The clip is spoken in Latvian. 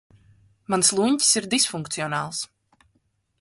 Mans luņķis ir disfunkcionāls.